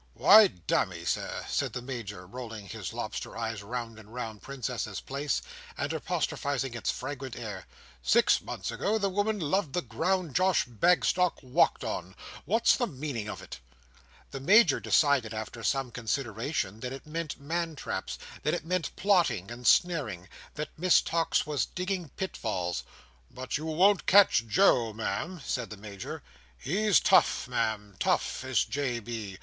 "Why, damme, Sir," said the Major, rolling his lobster eyes round and round Princess's Place, and apostrophizing its fragrant air, "six months ago, the woman loved the ground Josh Bagstock walked on. What's the meaning of it?" The Major decided, after some consideration, that it meant mantraps; that it meant plotting and snaring; that Miss Tox was digging pitfalls. "But you won't catch Joe, Ma'am," said the Major. "He's tough, Ma'am, tough, is J.B.